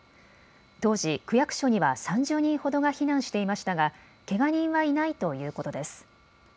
当時、区役所には３０人ほどが避難していましたがけが人はいないということです。